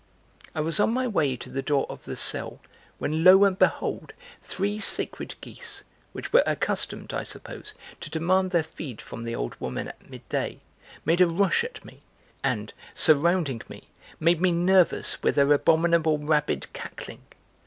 I was on my way to the door of the cell when lo! and behold! three sacred geese which were accustomed, I suppose, to demand their feed from the old woman at midday, made a rush at me and, surrounding me, made me nervous with their abominable rabid cackling.